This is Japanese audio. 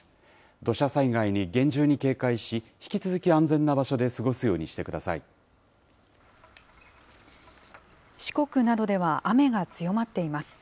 土砂災害に厳重に警戒し、引き続き安全な場所で過ごすようにして四国などでは雨が強まっています。